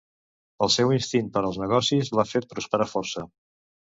El seu instint per als negocis l'ha fet prosperar força.